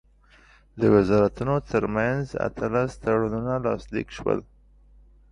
د وزارتونو ترمنځ اتلس تړونونه لاسلیک شول.